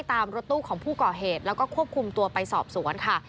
รถตู้ของผู้ก่อเหตุแล้วก็ควบคุมตัวไปสอบสวนค่ะ